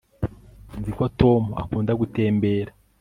nzi ko tom akunda gutembera